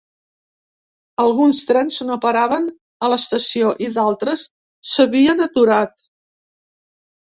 Alguns trens no paraven a l’estació i d’altres s’havien aturat.